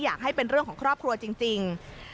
อยากให้เป็นเรื่องของครอบครัวจริง